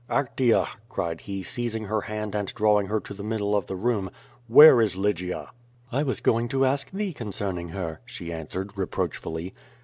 "Actea," cried he, seizing her hand and drawing her to the middle of the room, "where is Lygia?" "I was going to ask thee concerning her," she answered, reproachfully.